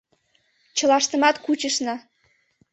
— Чылаштымат кучышна.